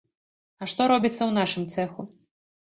А што робіцца ў нашым цэху?